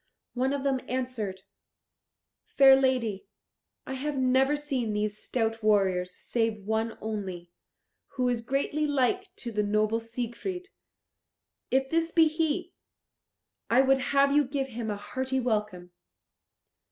One of them answered, "Fair lady, I have never seen these stout warriors, save one only, who is greatly like to the noble Siegfried. If this be he, I would have you give him a hearty welcome.